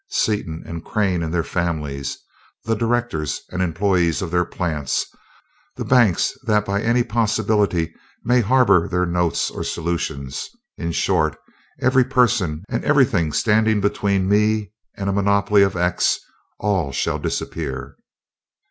Seaton and Crane and their families, the directors and employees of their plants, the banks that by any possibility may harbor their notes or solutions in short, every person and everything standing between me and a monopoly of 'X' all shall disappear."